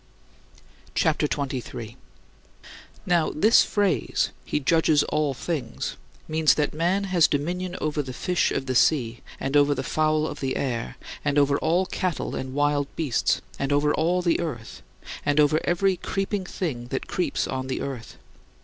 CHAPTER XXIII 33. Now this phrase, "he judges all things," means that man has dominion over the fish of the sea, and over the fowl of the air, and over all cattle and wild beasts, and over all the earth, and over every creeping thing that creeps on the earth.